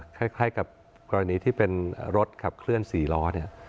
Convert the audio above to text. คล้ายกับกรณีที่เป็นรถขับเคลื่อน๔ล้อเนี่ย